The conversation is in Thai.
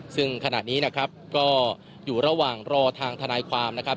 ซึ่งขณะนี้นะครับก็อยู่ระหว่างรอทางทนายความนะครับ